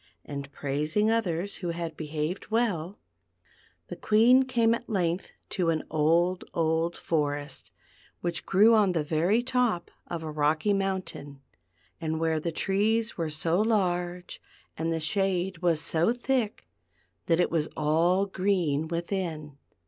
and praising others who had behaved well, the Queen came at length to an old, old forest which grew on the very top of a rocky mountain, and where the trees were so large and the shade was so thick that it was all green within.